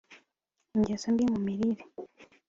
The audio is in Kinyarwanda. ingeso mbi mu mirire